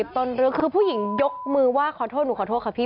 ตอนลึกคือผู้หญิงยกมือว่าขอโทษผมขอโทษค่ะพีท